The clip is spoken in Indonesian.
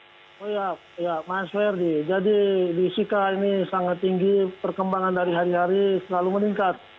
oh ya mas ferdi jadi di sika ini sangat tinggi perkembangan dari hari hari selalu meningkat